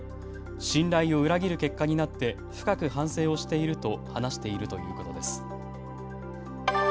信頼を裏切る結果になって深く反省をしていると話しているということです。